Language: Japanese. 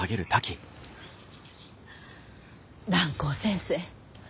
蘭光先生。